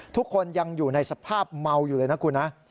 ทุกคนยังอยู่ในสภาพเมาอยู่เลยนะคุณนะ